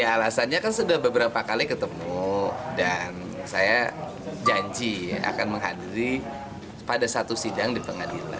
ya alasannya kan sudah beberapa kali ketemu dan saya janji akan menghadiri pada satu sidang di pengadilan